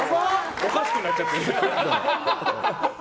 おかしくなっちゃってるよ。